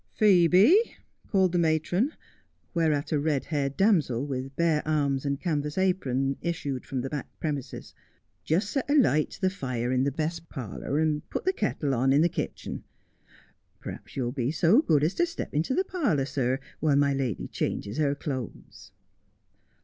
i 114 Just as I Am. 'Phcebe, called the matron, whereat a red haired damsel, with bare arms and canvas apron, issued from the back premises, ' just set a light to the fire in the best parlour, and put the kettle on in the kitchen. Perhaps you'll be so good as to step into the parlour, .sir, while my lady changes her clothes.'